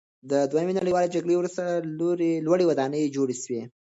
د دویم نړیوال جنګ وروسته لوړې ودانۍ جوړې سوې.